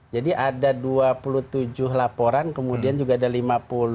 jadi ada dua puluh tujuh laporan kemudian juga ada lima puluh laporan